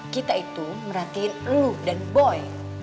kita itu merhatiin lu dan boy